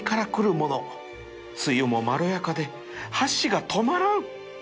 つゆもまろやかで箸が止まらん！